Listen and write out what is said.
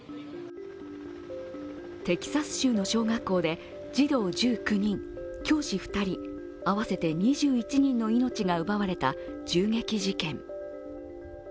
テキサス州の小学校で児童１９人、教師２人、合わせて２１人の命が奪われた銃撃事件。